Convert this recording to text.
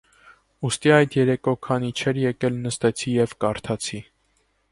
Ուստի այդ երեկո քանի չէր եկել, նստեցի և կարդացի: